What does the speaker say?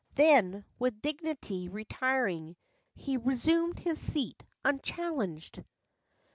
Then, with dignity retiring, He resumed his seat unchallenged.